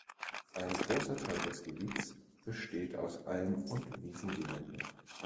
Ein großer Teil des Gebiets besteht aus Alm- und Wiesengelände.